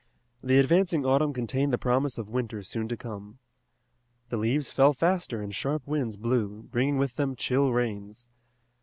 The advancing autumn contained the promise of winter soon to come. The leaves fell faster and sharp winds blew, bringing with them chill rains.